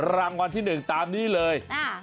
รางวัลที่๑ตามนี้เลย๖๒๐๔๐๕